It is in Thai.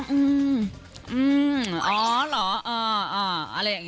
อ๋ออื้ออ๋อเหรอเอออะไรแบบนี้